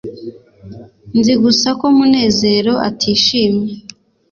nzi gusa ko munezero atishimye